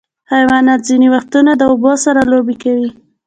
حیوانات ځینې وختونه د اوبو سره لوبې کوي.